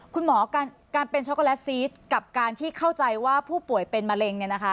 คุณหมอการเป็นช็อกโกแลตซีสกับการที่เข้าใจว่าผู้ป่วยเป็นมะเร็ง